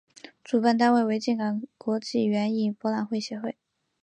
主办单位为静冈国际园艺博览会协会。